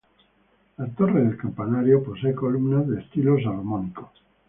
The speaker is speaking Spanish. La torre del campanario posee columnas de estilo salomónico.